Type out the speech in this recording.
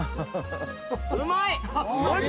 うまい！